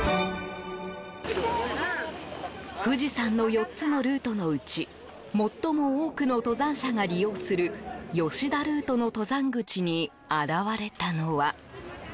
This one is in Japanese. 富士山の４つのルートのうち最も多くの登山者が利用する吉田ルートの登山口に現れたのは。